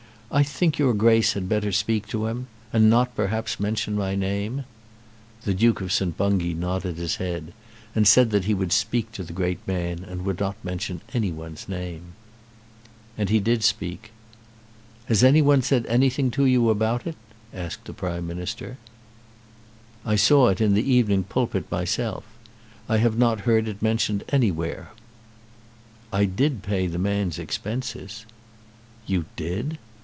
I think your Grace had better speak to him; and not perhaps mention my name." The Duke of St. Bungay nodded his head, and said that he would speak to the great man and would not mention any one's name. And he did speak. "Has any one said anything to you about it?" asked the Prime Minister. "I saw it in the 'Evening Pulpit' myself. I have not heard it mentioned anywhere." "I did pay the man's expenses." "You did!"